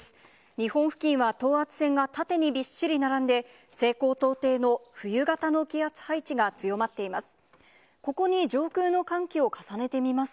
日本付近は等圧線が縦にびっしり並んで、西高東低の冬型の気圧配置が強まっています。